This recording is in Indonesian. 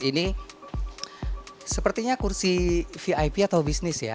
ini sepertinya kursi vip atau bisnis ya